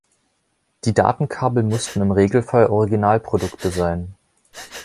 Die Datenkabel mussten im Regelfall Originalprodukte sein.